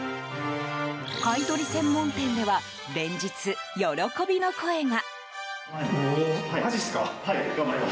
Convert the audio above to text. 買い取り専門店では連日、喜びの声が。